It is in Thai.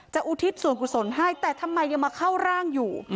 อุทิศส่วนกุศลให้แต่ทำไมยังมาเข้าร่างอยู่